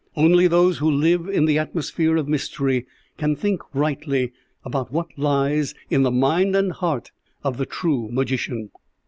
Only those who live in the atmosphere of mystery can think rightly about what lies in the mind and heart of the true magician.